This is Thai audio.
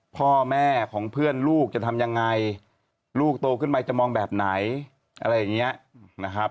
พ่อแม่ของเพื่อนลูกจะทำยังไงลูกโตขึ้นไปจะมองแบบไหนอะไรอย่างนี้นะครับ